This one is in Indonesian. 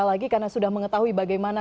lagi karena sudah mengetahui bagaimana